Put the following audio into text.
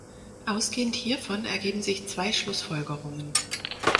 Ausgehend hiervon ergeben sich zwei Schlussfolgerungen.